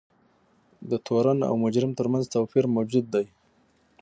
د تورن او مجرم ترمنځ توپیر موجود دی.